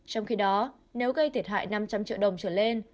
trong khi đó nếu gây thiệt hại năm trăm linh triệu đồng trở lên